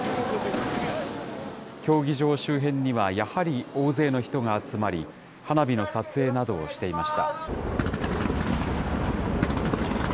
競技場周辺には、やはり大勢の人が集まり、花火の撮影などをしていました。